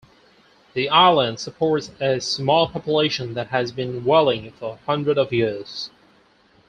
The island supports a small population that has been whaling for hundreds of years.